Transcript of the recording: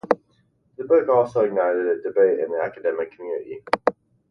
The book also ignited a debate in the academic community.